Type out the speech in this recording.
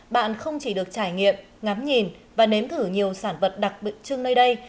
bạn không chỉ được trải nghiệm ngắm nhìn và nếm thử nhiều sản vật đặc biệt chưng nơi đây